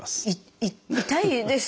い痛いです。